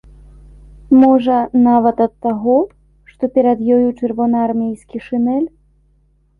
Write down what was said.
Можа, нават ад таго, што перад ёю чырвонаармейскі шынель?